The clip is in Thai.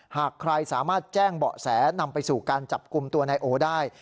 หากใครสามารถแจ้งเบาะแสนำไปสู่การจับกลุ่มตัวนายโอได้